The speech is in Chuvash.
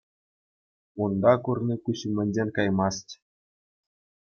Унта курни куҫ умӗнчен каймасть.